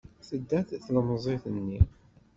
Tedda tlemmiẓt-nni.